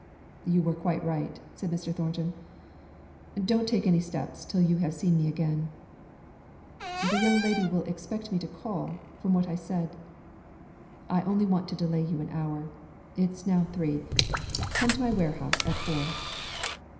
"You were quite right," said Mr. Thornton. "Don't take any steps till you have seen me again." "The young lady will expect me to call, from what I said." "I only want to delay you an hour. It's now three. Come to my warehouse at four."